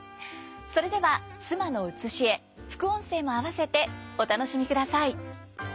それでは「須磨の写絵」副音声もあわせてお楽しみください。